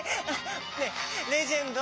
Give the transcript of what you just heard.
ねえレジェンド！